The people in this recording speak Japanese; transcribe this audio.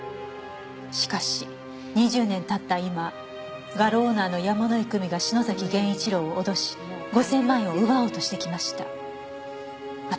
「しかし２０年経った今画廊オーナーの山井久美が篠崎源一郎を脅し５０００万円を奪おうとしてきました」